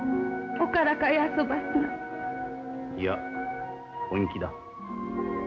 いや本気だ。